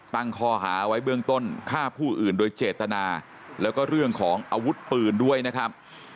คอหาไว้เบื้องต้นฆ่าผู้อื่นโดยเจตนาแล้วก็เรื่องของอาวุธปืนด้วยนะครับ